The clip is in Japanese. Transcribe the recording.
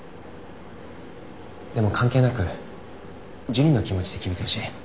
でも関係なくジュニの気持ちで決めてほしい。